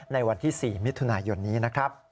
ในวันที่๔มิถุนายนนี้นะครับ